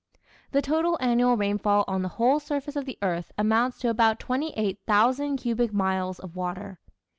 The total annual rainfall on the whole surface of the earth amounts to about 28,000 cubic miles of water.